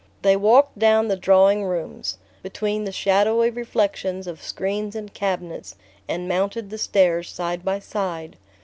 They walked down the drawing rooms, between the shadowy reflections of screens and cabinets, and mounted the stairs side by side.